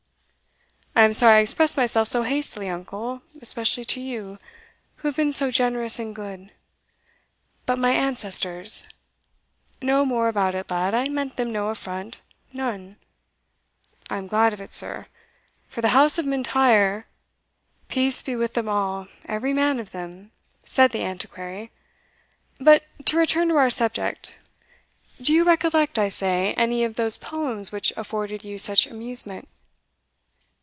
"I am sorry I expressed myself so hastily, uncle, especially to you, who have been so generous and good. But my ancestors" "No more about it, lad; I meant them no affront none." "I'm glad of it, sir; for the house of M'Intyre" "Peace be with them all, every man of them," said the Antiquary. "But to return to our subject Do you recollect, I say, any of those poems which afforded you such amusement?"